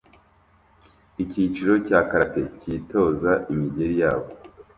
Icyiciro cya karate cyitoza imigeri yabo